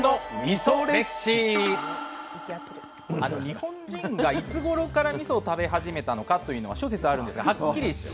日本人がいつごろからみそを食べ始めたのかというのは諸説あるんですがはっきりしないんですよ。